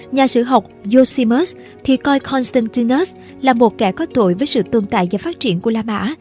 nhà sử học yoshimus thì coi constantinus là một kẻ có tội với sự tồn tại và phát triển của la mã